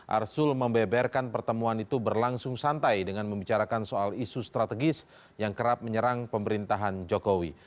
arsul membeberkan pertemuan itu berlangsung santai dengan membicarakan soal isu strategis yang kerap menyerang pemerintahan jokowi